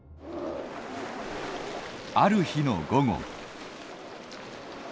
ある日の午後。